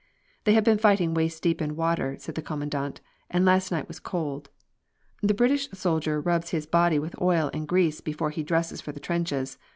"They have been fighting waist deep in water," said the Commandant, "and last night was cold. The British soldier rubs his body with oil and grease before he dresses for the trenches.